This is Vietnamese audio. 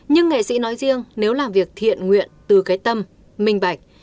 nhưng nghệ sĩ nói riêng nếu làm việc thiện nguyện từ cái tâm minh bạch